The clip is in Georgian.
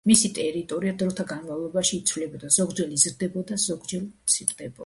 მისი ტერიტორია დროთა განმავლობაში იცვლებოდა, ზოგჯერ იზრდებოდა, ზოგჯერ მცირდებოდა.